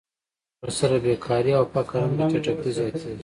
ورسره بېکاري او فقر هم په چټکۍ زیاتېږي